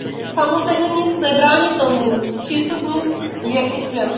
Samozřejmě nic nebrání tomu zpřístupnit je i světu.